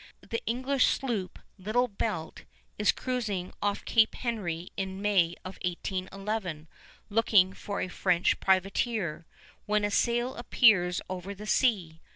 The English sloop Little Belt is cruising off Cape Henry in May of 1811, looking for a French privateer, when a sail appears over the sea.